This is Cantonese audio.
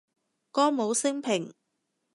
歌舞昇平